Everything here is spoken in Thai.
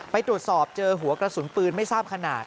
ไปตรวจสอบเจอหัวกระสุนปืนไม่ทราบขนาด